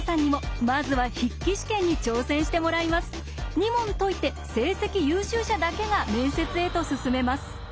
２問解いて成績優秀者だけが面接へと進めます。